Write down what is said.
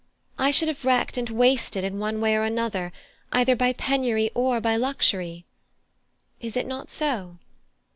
I should have wrecked and wasted in one way or another, either by penury or by luxury. Is it not so?"